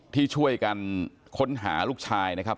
ที่ช่วยกันค้นหาลูกชายนะครับ